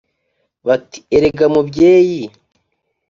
bati erega mubyeyi